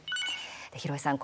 廣井さん